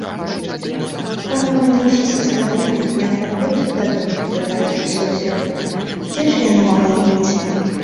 Пагаманіўшы са старымі, ён паплёўся дадому, пытаючыся ў сябе, дзе ж яна магла быць?